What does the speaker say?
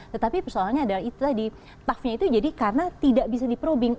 tetapi persoalannya adalah itu tadi toughnya itu jadi karena tidak bisa diprobing